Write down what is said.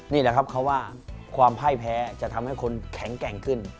นี่แหละครับเขาว่าความพ่ายแพ้จะทำให้คนแข็งแกร่งขึ้น